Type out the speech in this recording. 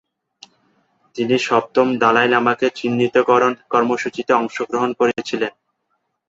তিনি সপ্তম দলাই লামাকে চিহ্নিতকরণ কর্মসূচীতে অংশগ্রহণ করেছিলেন।